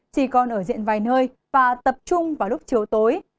chỉ còn ở diện vài nơi và tập trung vào lúc chiều tối